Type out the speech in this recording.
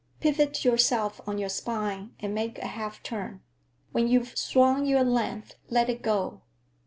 Pivot yourself on your spine, and make a half turn. When you've swung your length, let it go."